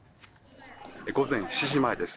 午前７時前です。